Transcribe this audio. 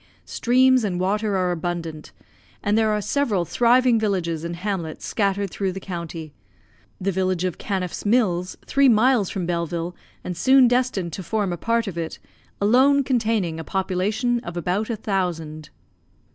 Streams and water are abundant, and there are several thriving villages and hamlets scattered through the county, the village of Canniff's Mills, three miles from Belleville, and soon destined to form a part of it, alone containing a population of about a thousand.